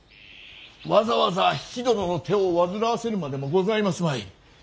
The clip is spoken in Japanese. わざわざ比企殿の手を煩わせるまでもございますまい。